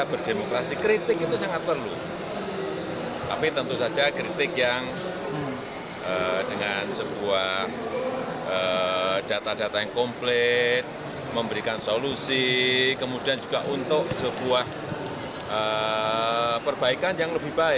bukan perintah dari pak presiden